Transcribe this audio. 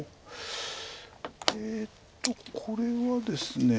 えっとこれはですね。